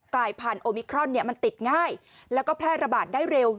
ลายพันธุ์โอมิครอนมันติดง่ายแล้วก็แพร่ระบาดได้เร็ว